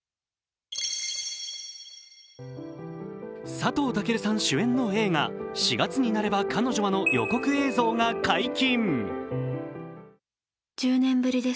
佐藤健主演の映画「四月になれば彼女は」の予告映像が解禁。